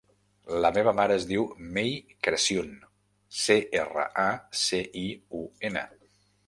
La meva mare es diu Mei Craciun: ce, erra, a, ce, i, u, ena.